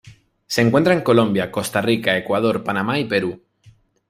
Se encuentra en Colombia, Costa Rica, Ecuador, Panamá y Perú.